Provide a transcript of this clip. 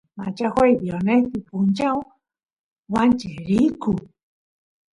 machajuay viernespi punchaw wancheq riyku